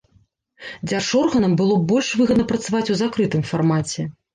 Дзяржорганам было б больш выгодна працаваць у закрытым фармаце.